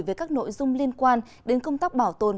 về các nội dung liên quan đến công tác bảo tồn